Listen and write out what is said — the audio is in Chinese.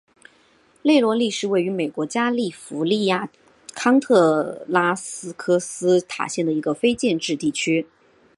内罗利是位于美国加利福尼亚州康特拉科斯塔县的一个非建制地区。